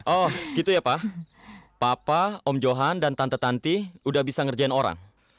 oh gitu ya pak papa om johan dan tante tante udah bisa ngerjain orang